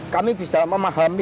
kami bisa memahami